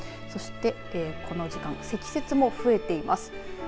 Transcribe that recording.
そして、この時間積雪も増えています。